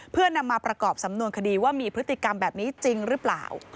เพื่อนำมาประกอบสำนวนคดีว่ามีพฤติกรรมแบบนี้จริงหรือเปล่า